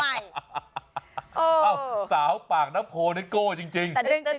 เอ้าสาวปากน้ำโพนิโก้รึจริง